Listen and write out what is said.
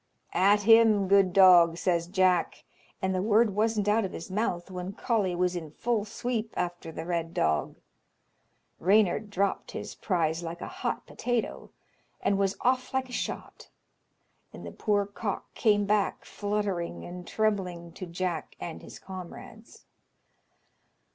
"At him, good dog!" says Jack, and the word wasn't out of his mouth when Coley was in full sweep after the Red Dog. Reynard dropped his prize like a hot potato, and was off like a shot, and the poor cock came back fluttering and trembling to Jack and his comrades.